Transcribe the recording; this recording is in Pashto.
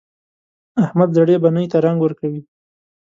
احمد زړې بنۍ ته رنګ ورکوي.